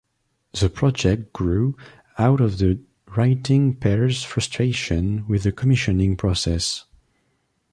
The project grew out of the writing pair's frustration with the commissioning process.